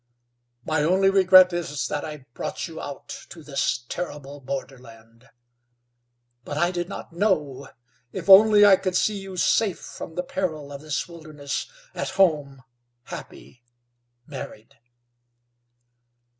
My only regret is that I brought you out to this terrible borderland. But I did not know. If only I could see you safe from the peril of this wilderness, at home, happy, married."